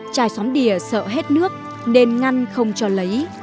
trài sóng đìa sợ hết nước nên ngăn không cho lấy